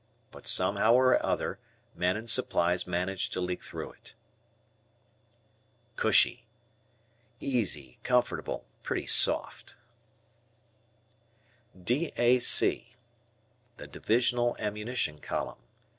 But somehow or other men and supplies manage to leak through it. "Cushy." Easy; comfortable; "pretty soft." D D.A.C. Divisional Ammunition Column.